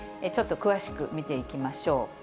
ちょっと詳しく見ていきましょう。